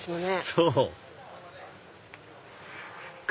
そう！